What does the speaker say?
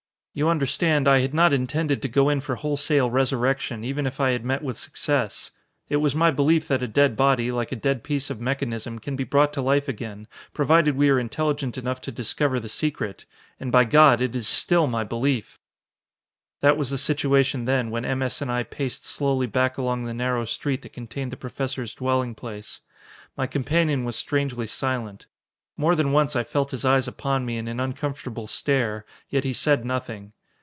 You understand, I had not intended to go in for wholesale resurrection, even if I had met with success. It was my belief that a dead body, like a dead piece of mechanism, can be brought to life again, provided we are intelligent enough to discover the secret. And by God, it is still my belief!" That was the situation, then, when M. S. and I paced slowly back along the narrow street that contained the Professor's dwelling place. My companion was strangely silent. More than once I felt his eyes upon me in an uncomfortable stare, yet he said nothing.